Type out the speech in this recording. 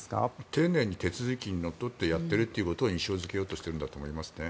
丁寧に手続きにのっとってやっているということを印象付けようとしているんだと思いますね。